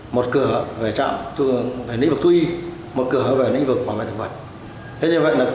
một cửa về trạm lĩnh vực thu y một cửa về lĩnh vực bảo vệ thực vật